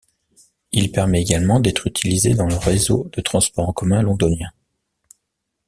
Il permet également d'être utilisé dans le réseau de transports en commun londoniens.